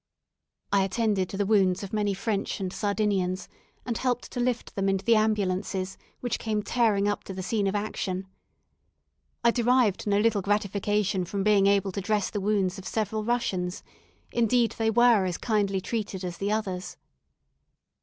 I attended to the wounds of many French and Sardinians, and helped to lift them into the ambulances, which came tearing up to the scene of action. I derived no little gratification from being able to dress the wounds of several Russians; indeed, they were as kindly treated as the others.